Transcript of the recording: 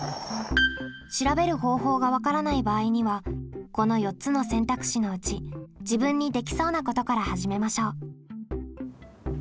調べる方法が分からない場合にはこの４つの選択肢のうち自分にできそうなことから始めましょう。